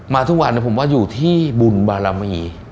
มาทุกวันเนี่ยผมว่าอยู่ที่บุญบารมี